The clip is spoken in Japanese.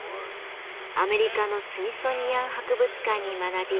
アメリカのスミソニアン博物館に学び